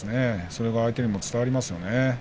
それが相手にも伝わりますよね。